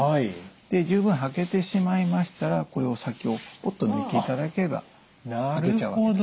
で十分履けてしまいましたらこれを先をポッと抜いていただければ履けちゃうわけです。